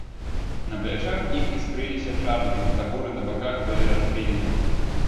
На плячах іх іскрыліся шаблі, кабуры на баках былі расшпілены.